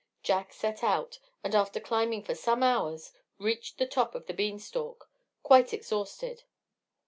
Jack set out, and after climbing for some hours, reached the top of the bean stalk, quite exhausted.